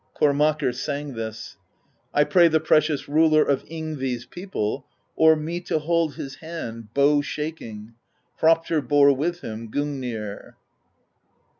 Kormakr sang this: I pray the precious Ruler Of Yngvi's people, o'er me To hold his hand, bow shaking. Hroptr bore with him Gungnir.